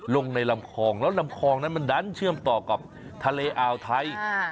ลงในลำคลองแล้วลำคลองนั้นมันดันเชื่อมต่อกับทะเลอ่าวไทย